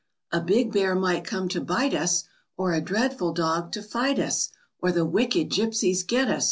A big bear might come to bite us, Or a dreadful dog to fight us, Or the wicked gipsies get us!